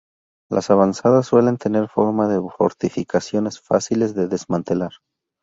Las avanzadas suelen tener forma de fortificaciones, fáciles de desmantelar.